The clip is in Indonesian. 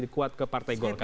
kuat ke partai golkar